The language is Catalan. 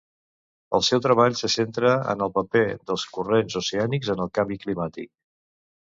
El seu treball se centra en el paper dels corrents oceànics en el canvi climàtic.